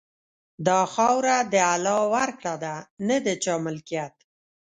دا خاوره د الله ورکړه ده، نه د چا ملکیت.